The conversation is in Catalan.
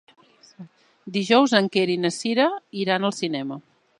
Dijous en Quer i na Cira iran al cinema.